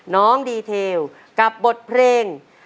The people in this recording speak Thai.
น้องดีเทลกับบทเพลง